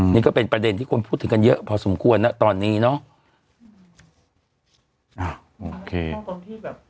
นี่ก็เป็นประเด็นที่ควรพูดถึงกันเยอะพอสมควรนะตอนนี้เนาะ